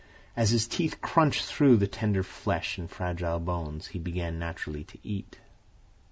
As his teeth crunched through the tender flesh and fragile bones, he began naturally to eat.